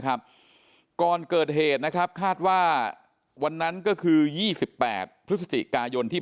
ก่อนเกิดเหตุนะครับคาดว่าวันนั้นก็คือ๒๘พฤศจิกายนที่